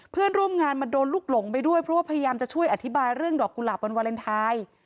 เพื่อนร่วมงานมาโดนลูกหลงไปด้วยเพราะว่าพยายามจะช่วยอธิบายเรื่องดอกกุหลาบวันวาเลนไทย